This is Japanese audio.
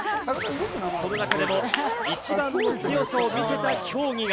その中でも一番の強さを見せた競技が。